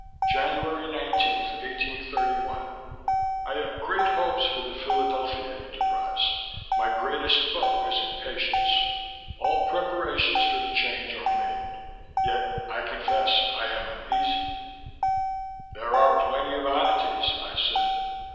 _" "_January 19, 1831. I have great hopes for the Philadelphia enterprise. My greatest foe is impatience. All preparations for the Change are made, yet I confefs I am uneasy...._" "There are plenty of oddities," I said.